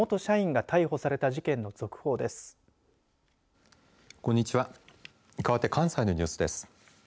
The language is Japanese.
かわって関西のニュースです。